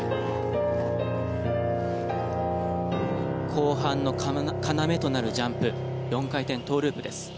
後半の要となるジャンプ４回転トウループです。